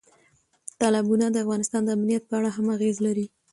تالابونه د افغانستان د امنیت په اړه هم اغېز لري.